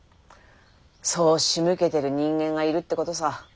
そうしむけてる人間がいるってことさ。